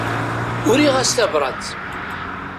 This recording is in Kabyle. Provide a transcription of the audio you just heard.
Uriɣ-as tabrat.